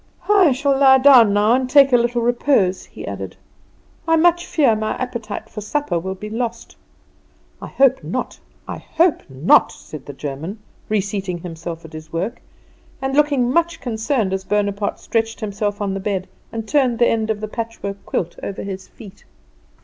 "I shall lie down now and take a little repose," he added; "I much fear my appetite for supper will be lost." "I hope not, I hope not," said the German, reseating himself at his work, and looking much concerned as Bonaparte stretched himself on the bed and turned the end of the patchwork quilt over his feet.